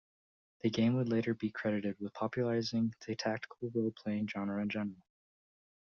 The game would later be credited with popularizing the tactical role-playing genre in general.